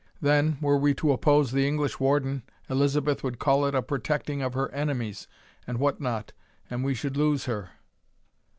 Then, were we to oppose the English Warden, Elizabeth would call it a protecting of her enemies and what not, and we should lose her."